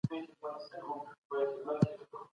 هغه دولتونه چي عاید نه لري ژر نړېږي.